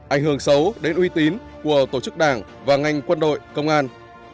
ảnh hưởng xấu đến uy tín của tổ chức đảng và ngành quân đội công an